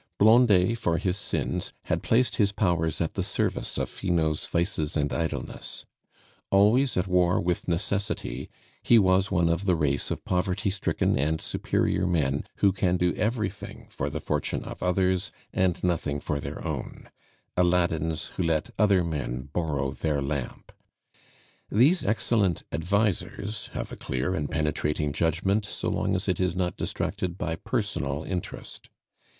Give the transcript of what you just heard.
Blondet, for his sins, had placed his powers at the service of Finot's vices and idleness. Always at war with necessity, he was one of the race of poverty stricken and superior men who can do everything for the fortune of others and nothing for their own, Aladdins who let other men borrow their lamp. These excellent advisers have a clear and penetrating judgment so long as it is not distracted by personal interest.